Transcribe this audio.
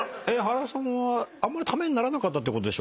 原さんはあんまりためにならなかったってこと？